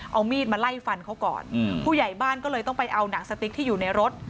เอามีดมาไล่ฟันเขาก่อนผู้ใหญ่บ้านก็เลยต้องไปเอาหนังสติ๊กที่อยู่ในรถ